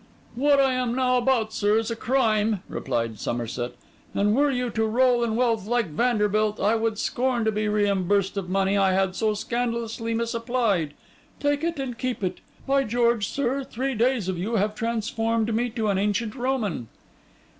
'What I am now about, sir, is a crime,' replied Somerset; 'and were you to roll in wealth like Vanderbilt, I should scorn to be reimbursed of money I had so scandalously misapplied. Take it, and keep it. By George, sir, three days of you have transformed me to an ancient Roman.